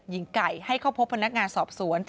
หญิงไก่ให้เข้าพบพนักงานสอบสวน